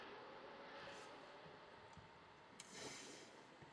Také našla využití jako okrasná rostlina často pěstovaná v zimních zahradách a sklenících.